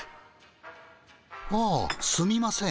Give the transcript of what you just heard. ああすみません。